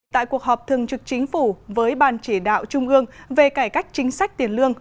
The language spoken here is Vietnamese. tại cuộc họp thường trực chính phủ với ban chỉ đạo trung ương về cải cách chính sách tiền lương